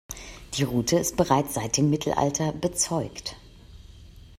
Die Route ist bereits seit dem Mittelalter bezeugt.